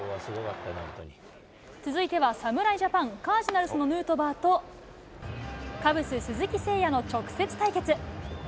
続いては侍ジャパン、カージナルスのヌートバーと、カブス、鈴木誠也の直接対決。